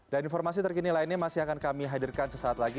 dan informasi terkini lainnya masih akan kami hadirkan sesaat lagi